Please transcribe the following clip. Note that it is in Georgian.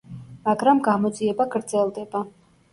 მაგრამ გამოძიება გრძელდება.